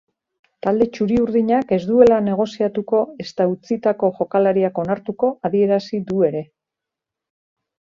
Talde txuri-urdinak ez duela negoziatuko ezta utzitako jokalariak onartuko adierazi du ere.